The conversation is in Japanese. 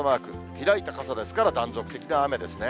開いた傘ですから、断続的な雨ですね。